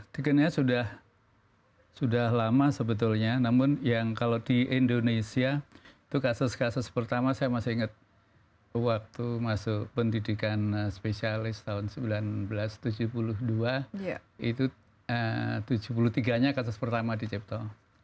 dikenal sudah lama sebetulnya namun yang kalau di indonesia itu kasus kasus pertama saya masih ingat waktu masuk pendidikan spesialis tahun seribu sembilan ratus tujuh puluh dua itu tujuh puluh tiga nya kasus pertama di cipto